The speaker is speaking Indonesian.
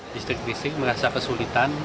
distrik distrik merasa kesulitan